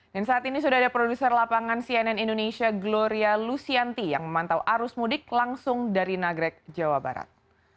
dan saat ini sudah ada produser lapangan cnn indonesia gloria lusianti yang memantau arus mudik langsung dari nagrek jawa barat